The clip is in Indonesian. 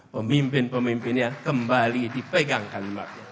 pemimpin pemimpinnya kembali dipegangkan